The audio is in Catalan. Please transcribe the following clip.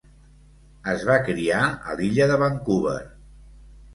Es va criar a l'Illa de Vancouver.